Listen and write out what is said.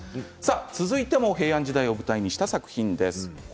続いても平安時代を舞台にした作品です。